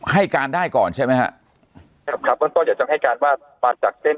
ให้การได้ก่อนใช่มั้ยครับในที่การปลาจากเท่น